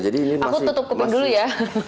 aku tutup kuping dulu ya